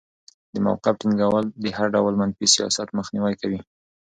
د موقف ټینګول د هر ډول منفي سیاست مخنیوی کوي.